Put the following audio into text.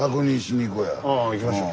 あ行きましょう。